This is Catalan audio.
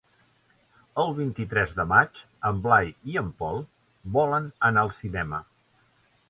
El vint-i-tres de maig en Blai i en Pol volen anar al cinema.